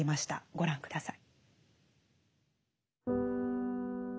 ご覧下さい。